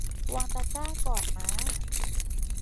วางตะกร้าก่อนม้า